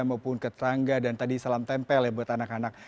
maupun tetangga dan tadi salam tempel ya buat anak anak